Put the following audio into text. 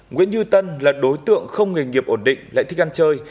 nguyễn như tân là đối tượng không nghề nghiệp ổn định lại thích ăn chơi